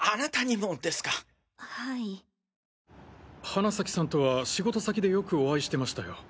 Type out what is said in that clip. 花崎さんとは仕事先でよくお会いしてましたよ。